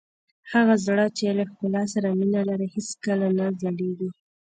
هغه زړه چې له ښکلا سره مینه لري هېڅکله نه زړیږي.